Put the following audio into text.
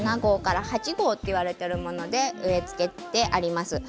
７号から８号と言われているもので、植え付けてあります。